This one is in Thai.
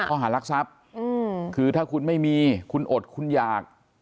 ข้อหารักทรัพย์คือถ้าคุณไม่มีคุณอดคุณอยาก